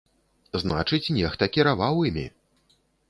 Значыць, нехта кіраваў імі!